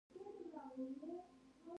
د ریګ دښتې د افغان کلتور سره تړاو لري.